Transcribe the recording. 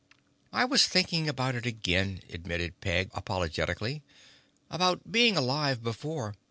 "I was thinking about it again," admitted Peg apologetically. "About being alive before.